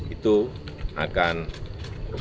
itu akan berhasil